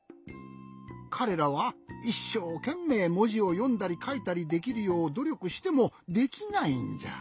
かれらはいっしょうけんめいもじをよんだりかいたりできるようどりょくしてもできないんじゃ。